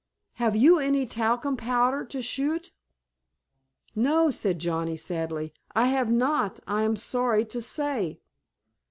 Have you any talcum powder to shoot?" "No," said Johnnie, sadly, "I have not, I am sorry to say."